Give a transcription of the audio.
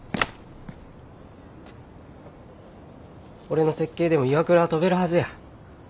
俺の設計でも岩倉は飛べるはずや。